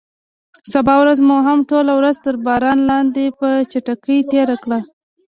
سبا ورځ مو هم ټوله ورځ تر باران لاندې په چټکۍ تېره کړه.